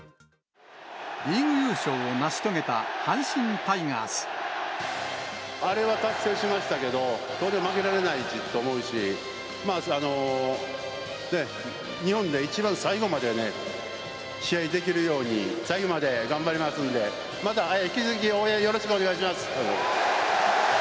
リーグ優勝を成し遂げた阪神アレは達成しましたけど、当然負けられないと思うし、日本で一番最後までね、試合できるように、最後まで頑張りますんで、また引き続き応援よろしくお願いします。